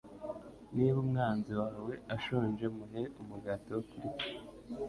Niba umwanzi wawe ashonje muhe umugati wo kurya